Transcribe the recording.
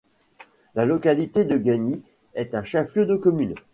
La localité de Gagny est un chef-lieu de commune.